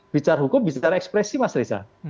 bicar hukum bicara ekspresi mas risa